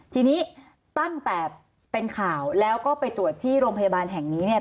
ทีนี้ตั้งแต่เป็นข่าวแล้วก็ไปตรวจที่โรงพยาบาลแห่งนี้เนี่ย